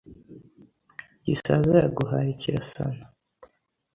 Gisaza yaguhaye Kirasana